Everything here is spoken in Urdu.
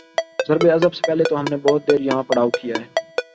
ضرب عضب سے پہلے ہم نے بہت دیر یہاں پڑاؤ کیا ہے۔